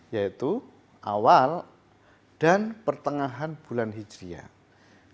yaitu awal dan pertengahan bulan hijriah